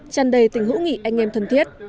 chăn đầy tình hữu nghị anh em thân thiết